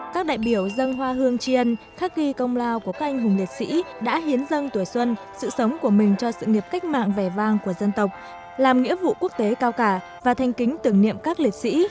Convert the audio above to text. các đại biểu dân hoa hương tri ân khắc ghi công lao của các anh hùng liệt sĩ đã hiến dâng tuổi xuân sự sống của mình cho sự nghiệp cách mạng vẻ vang của dân tộc làm nghĩa vụ quốc tế cao cả và thanh kính tưởng niệm các liệt sĩ